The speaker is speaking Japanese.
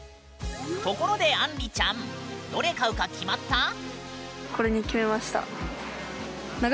ところであんりちゃんどれ買うか決まった？